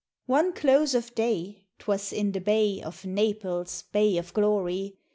One close of day 'twas in the Bay Of Naples, bay of glory!